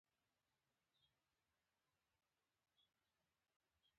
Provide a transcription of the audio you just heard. البرټا او کیوبیک اقتصادي اختلافات لري.